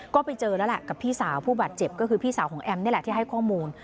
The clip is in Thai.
ก็ไปเจอแล้วแหละกับพี่สาวผู้บาดเจ็บก็คือพี่สาวของแอมนี่แหละที่ให้ข้อมูล